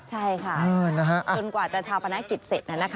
ใช่ค่ะจนกว่าจะชาวพนักอิกษฐ์เสร็จ